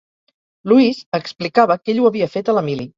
Luis explicava que ell ho havia fet a la mili.